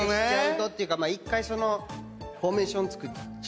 １回フォーメーション作っちゃうとね。